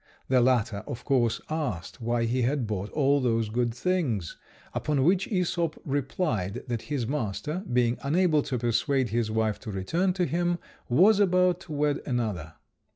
The latter, of course, asked why he had bought all those good things, upon which Æsop replied that his master, being unable to persuade his wife to return to him, was about to wed another.